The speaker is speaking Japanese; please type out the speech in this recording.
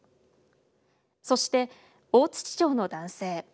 そして大町の男性。